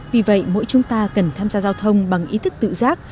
vì vậy mỗi chúng ta cần tham gia giao thông bằng ý thức tự giác